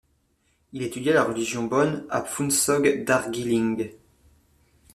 Il étudia la religion bön à Phuntsog Dargye Ling.